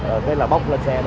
ờ thế là bốc lên xe đi